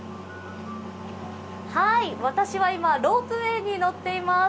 私は今ロープウェイに乗っています。